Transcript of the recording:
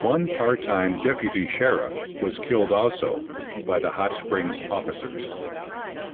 One part-time deputy sheriff was killed also, by the Hot Springs officers.